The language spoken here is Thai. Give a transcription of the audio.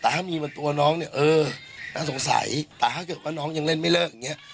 แต่ถ้ามีบนตัวน้องเนี่ยเออน่าสงสัยแต่ถ้าเกิดว่าน้องยังเล่นไม่เลิกอย่างเงี้ย